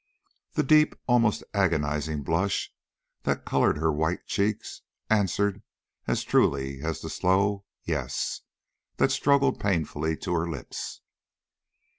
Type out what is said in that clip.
The deep, almost agonizing blush that colored her white cheek answered as truly as the slow "Yes," that struggled painfully to her lips.